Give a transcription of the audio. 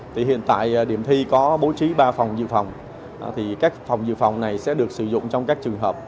thì hiện tại điểm thi có bố trí ba phòng dự phòng thì các phòng dự phòng này sẽ được sử dụng trong các trường hợp